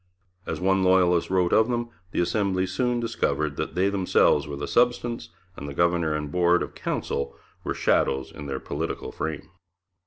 As one Loyalist wrote of them, the Assembly soon discovered 'that themselves were the substance, and the Governor and Board of Council were shadows in their political frame.'